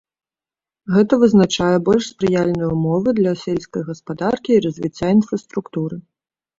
Гэта вызначае больш спрыяльныя ўмовы для сельскай гаспадаркі і развіцця інфраструктуры.